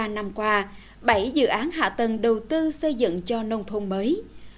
ba năm qua bảy dự án hạ tầng đầu tư xây dựng cho nông thôn mới